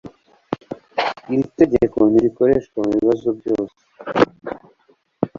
Iri tegeko ntirikoreshwa mubibazo byose.